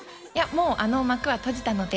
もうあの幕は閉じたので。